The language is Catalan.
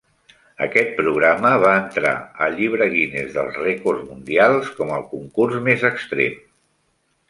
Aquest programa va entrar al Llibre Guinness dels Rècords Mundials com el "concurs més extrem".